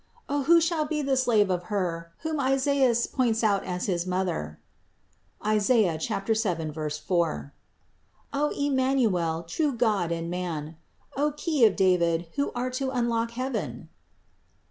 O who shall be the slave of Her, whom Isaias points out as his Mother (Is. 7, 4) ; O Emmanuel, true God and Man ! O key of David, who art to unlock heaven